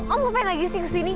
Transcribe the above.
om bapak lagi sih kesini